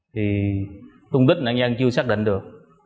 thì tung tích nạn nhân chưa xác định được